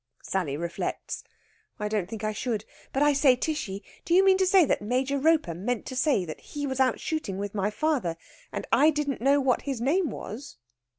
Sally reflects. "I don't think I should. But, I say, Tishy, do you mean to say that Major Roper meant to say that he was out shooting with my father and didn't know what his name was?"